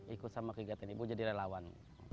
ikut sama kegiatan ibu jadi relawan